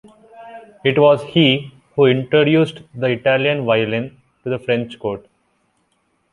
It was he who introduced the Italian violin to the French court.